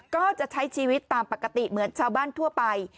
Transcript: ก็จะใช้ชีวิตตามปกติเหมือนชาวบ้านทั่วไป